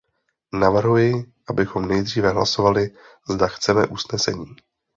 Navrhuji, abychom nejdříve hlasovali, zda chceme usnesení.